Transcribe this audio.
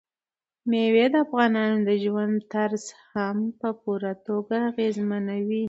مېوې د افغانانو د ژوند طرز هم په پوره توګه اغېزمنوي.